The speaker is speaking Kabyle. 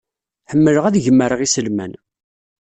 Ḥemmleɣ ad gemreɣ iselman.